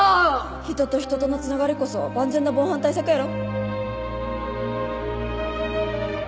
人と人とのつながりこそ万全な防犯対策やろ？